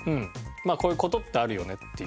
まあこういう事ってあるよねっていう。